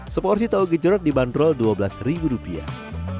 seporsi tahu genjerot dibanderol dua belas rupiah